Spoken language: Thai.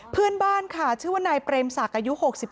เพื่อนบ้านค่ะชื่อว่านายเปรมศักดิ์อายุ๖๒